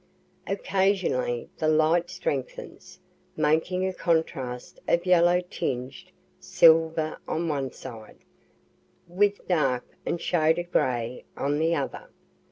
Occasionally the light strengthens, making a contrast of yellow tinged silver on one side, with dark and shaded gray on the other.